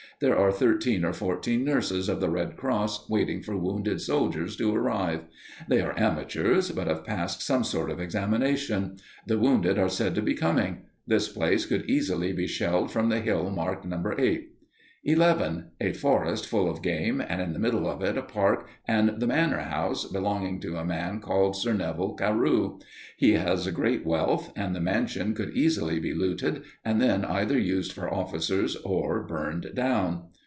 There are thirteen or fourteen nurses of the Red Cross waiting for wounded soldiers to arrive. They are amateurs, but have passed some sort of examination. The wounded are said to be coming. This place could easily be shelled from the hill marked No. 8._ 11. _A forest full of game, and in the middle of it a park and the Manor House, belonging to a man called Sir Neville Carew. He has great wealth, and the mansion could easily be looted, and then either used for officers or burned down.